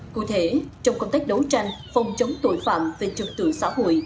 cụ thể trong công tác đấu tranh phòng chống tội phạm về trật tự xã hội